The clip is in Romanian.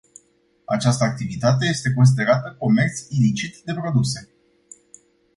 Această activitate este considerată comerț ilicit de produse.